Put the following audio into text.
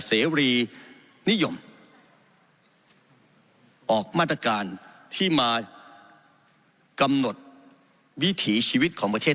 เสรีนิยมออกมาตรการที่มากำหนดวิถีชีวิตของประเทศ